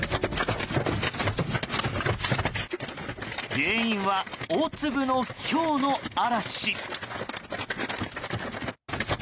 原因は大粒のひょうの嵐。